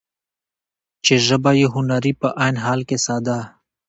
چې ژبه يې هنري په عين حال کې ساده ،